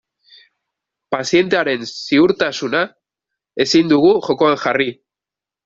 Pazientearen ziurtasuna ezin dugu jokoan jarri.